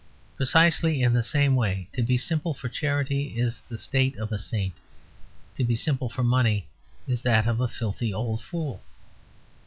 Precisely in the same way, to be "simple" for charity is the state of a saint; to be "simple" for money is that of a filthy old fool.